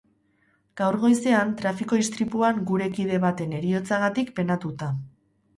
Gaur goizean trafiko istripuan gure kide baten heriotzagatik penatuta.